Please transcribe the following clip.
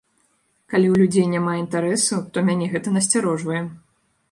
Калі ў людзей няма інтарэсаў, то мяне гэта насцярожвае.